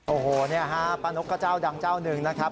โอ้โหนี่ฮะป้านกก็เจ้าดังเจ้าหนึ่งนะครับ